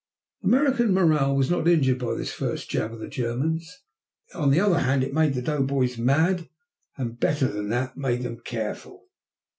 American morale was not injured by this first jab of the Germans. On the other hand, it made the doughboys mad, and, better than that, made them careful.